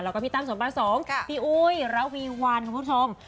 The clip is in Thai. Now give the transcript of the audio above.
แล้วก็พี่ตั้มสมประสงค์พี่อุ้ยระวีวันคุณผู้ชม